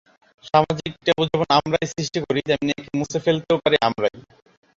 সামাজিক ট্যাবু যেমন আমরাই সৃষ্টি করি, তেমনি একে মুছে ফেলতেও পারি আমরাই।